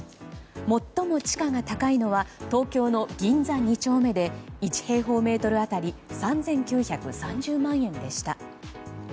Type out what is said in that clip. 最も地価が高いのは東京の銀座２丁目で１平方メートル当たり３９３０万円でした。